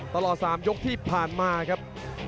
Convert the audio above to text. ตลอด๓ยกที่ผ่านมาครับ